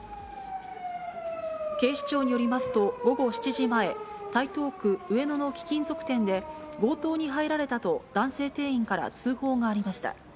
警視庁によりますと、午後７時前、台東区上野の貴金属店で、強盗に入られたと男性店員から通報がありました。